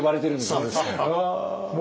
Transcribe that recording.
そうです。